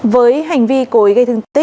với hành vi cơ quan công an tỉnh quảng ngãi